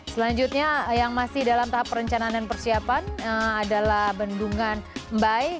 selanjutnya yang masih dalam tahap perencanaan dan persiapan adalah bendungan mbai